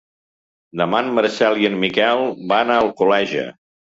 Demà en Marcel i en Miquel van a Alcoleja.